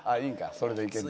それでいける。